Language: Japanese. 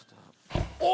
お！